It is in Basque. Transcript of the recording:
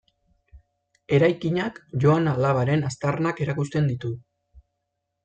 Eraikinak Joan Alabaren aztarnak erakusten ditu.